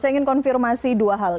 saya ingin konfirmasi dua hal